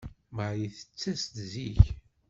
Marie tettas-d zik.